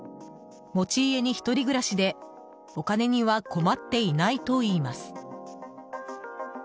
持ち家に１人暮らしでお金には困っていないといいます。